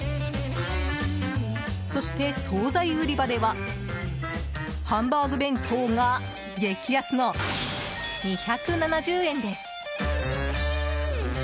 そして、総菜売り場ではハンバーグ弁当が激安の２７０円です。